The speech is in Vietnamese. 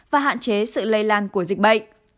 và hạn chế sự lây lan của dịch bệnh